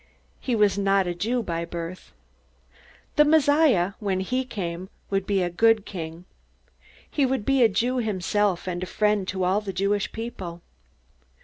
He was not a Jew by birth. The Messiah, when he came, would be a good king. He would be a Jew himself, and a friend to all the Jewish people.